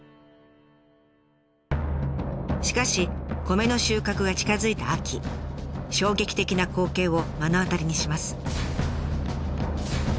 しかし米の収穫が近づいた秋衝撃的な光景を目の当たりにします。